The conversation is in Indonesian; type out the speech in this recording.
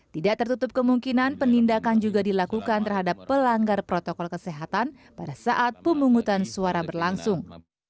tidak tertutup kemungkinan penindakan juga dilakukan terhadap pelanggar protokol kesehatan pada saat pemungutan suara berlangsung